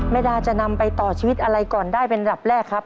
ดาจะนำไปต่อชีวิตอะไรก่อนได้เป็นระดับแรกครับ